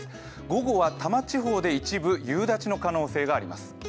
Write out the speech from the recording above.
午後は多摩地方で一部夕立の可能性があります。